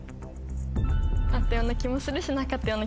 あったような気もするしなかったような気もする。